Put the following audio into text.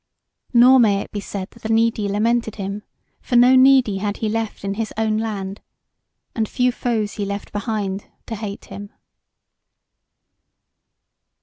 Nor may it be said that the needy lamented him; for no needy had he left in his own land. And few foes he left behind to hate him.